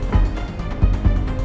dan kenapa dibakar